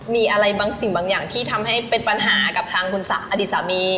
มีอะไรบางสิ่งบางอย่างที่ทำให้เป็นปัญหากับทางคุณอดีตสามี